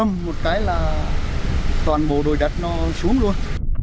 râm một cái là toàn bộ đồi đạch nó xuống luôn